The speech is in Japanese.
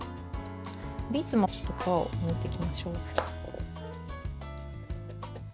ビーツもちょっと皮をむいていきましょう。